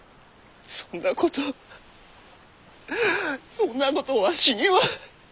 そんなことそんなことわしには！